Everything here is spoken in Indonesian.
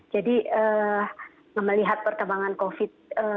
jadi melihat perkembangan covid sembilan belas